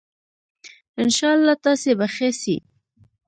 ان شاءاللّه تاسي به ښه سئ